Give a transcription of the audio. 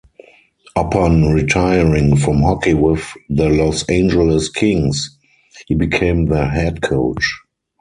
Upon retiring from hockey with the Los Angeles Kings, he became their head coach.